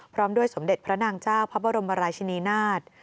พร้อมด้วยสมเด็จพระนางเจ้าพระบรมราชินีนาฏ